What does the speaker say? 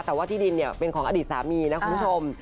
แต่ว่าที่ดินเนี่ยเป็นของอดีตสามีนะคุณผู้ชม